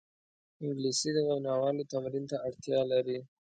انګلیسي د ویناوالو تمرین ته اړتیا لري